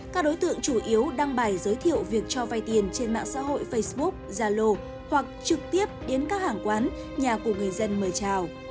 các đối tượng chủ yếu đăng bài giới thiệu việc cho vay tiền trên mạng xã hội facebook zalo hoặc trực tiếp đến các hàng quán nhà của người dân mời chào